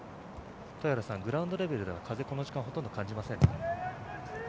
グラウンドレベルでは風、この時間ほとんど感じません。